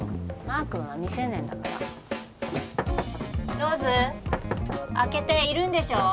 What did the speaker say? マー君は未成年だからローズ？開けているんでしょ？